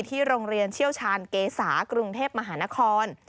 ที่โรงเรียนเชี่ยวชาญเกษากรุงเทพมหานคร